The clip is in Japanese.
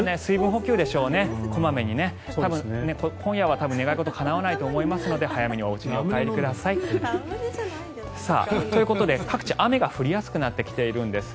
今夜は多分願い事かなわないと思いますので早めにおうちにお帰りください。ということで、各地雨が降りやすくなってきているんです。